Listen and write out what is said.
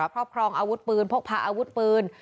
ครอบครองอาวุธปืนพกพาอาวุธปืน